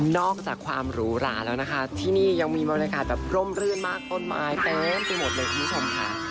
อกจากความหรูหราแล้วนะคะที่นี่ยังมีบรรยากาศแบบร่มรื่นมากต้นไม้เต็มไปหมดเลยคุณผู้ชมค่ะ